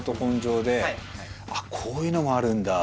「あっこういうのもあるんだ」